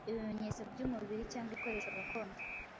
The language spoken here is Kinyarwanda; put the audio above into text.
ibimenyetso by’umubiri cyangwa ibikoresho gakondo.